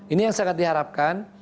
ini yang sangat diharapkan